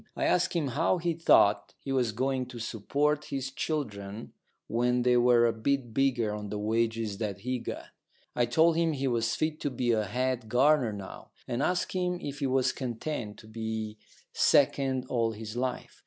I asked him how he thought he was going to support his children when they were a bit bigger on the wages that he got. I told him he was fit to be a head gardener now, and asked him if he was content to be second all his life.